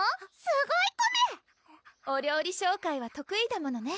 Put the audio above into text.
すごいコメお料理紹介は得意だものね